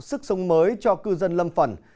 sức sống mới cho cư dân lâm phần